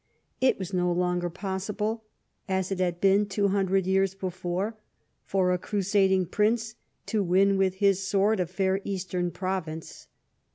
It Avas no longer possible, as it had been two hundred years before, for a crusading prince to win with his sword a fair Eastern province.